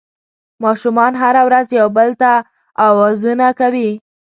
ماشومان هره ورځ یو بل ته اوازونه کوي